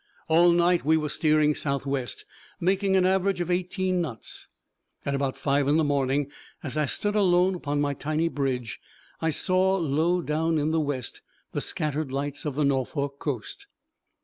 All night we were steering south west, making an average of eighteen knots. At about five in the morning, as I stood alone upon my tiny bridge, I saw, low down in the west, the scattered lights of the Norfolk coast.